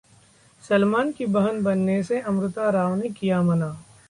सलमान की बहन बनने से अमृता राव ने किया मना